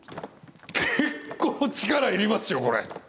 結構力いりますよこれ。